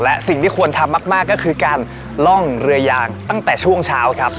และสิ่งที่ควรทำมากก็คือการล่องเรือยางตั้งแต่ช่วงเช้าครับ